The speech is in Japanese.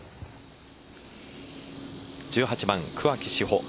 １８番、桑木志帆